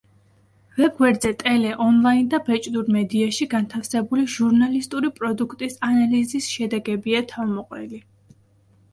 ვებგვერდზე ტელე, ონლაინ და ბეჭდურ მედიაში განთავსებული ჟურნალისტური პროდუქტის ანალიზის შედეგებია თავმოყრილი.